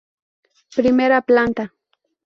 Primera planta.